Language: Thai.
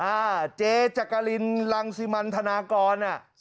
อ่าเจจักรินรังสิมันธนากร